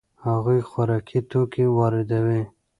هغوی خوراکي توکي واردوي.